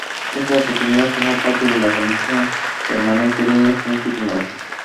En esta oportunidad, formó parte de la comisión permanente de Ciencia y Tecnología.